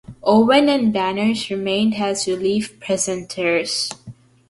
Owen and Barnes remained as relief presenters.